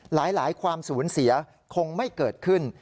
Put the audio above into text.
หลายความสูญเสียคงไม่เกิดขึ้น